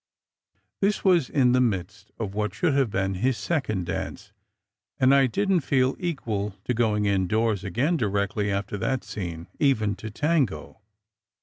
This was in the midst of what should have been his second dance, and I didn t feel equal to going indoors again directly after that scene, even to tango.